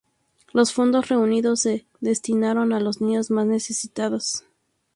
Los fondos reunidos se destinaron a los niños más necesitados.